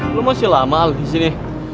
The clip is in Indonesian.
lu masih lama alu disini